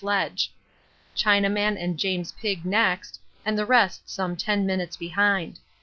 sledge. Chinaman and James Pigg next, and the rest some ten minutes behind.